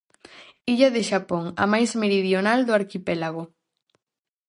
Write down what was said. Illa de Xapón, a máis meridional do arquipélago.